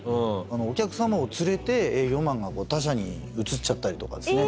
お客様を連れて営業マンが他社に移っちゃったりとかですね。